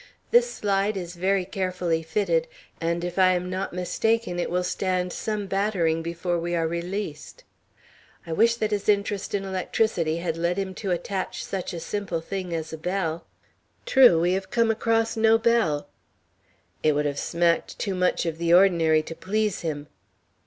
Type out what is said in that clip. "This slide is very carefully fitted, and, if I am not mistaken, it will stand some battering before we are released." "I wish that his interest in electricity had led him to attach such a simple thing as a bell." "True, we have come across no bell." "It would have smacked too much of the ordinary to please him."